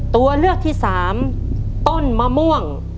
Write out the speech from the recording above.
ตัวเลือกที่สามต้นมะม่วง